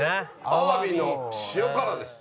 アワビの塩辛です。